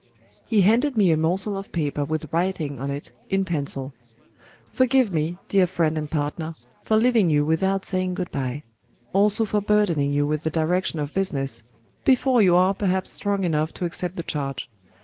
He handed me a morsel of paper with writing on it in pencil: "Forgive me, dear friend and partner, for leaving you without saying good bye; also for burdening you with the direction of business, before you are perhaps strong enough to accept the charge.